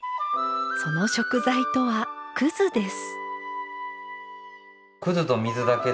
その食材とはくずです。